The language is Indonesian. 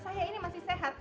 saya ini masih sehat